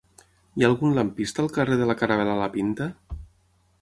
Hi ha algun lampista al carrer de la Caravel·la La Pinta?